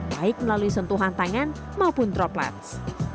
baik melalui sentuhan tangan maupun droplets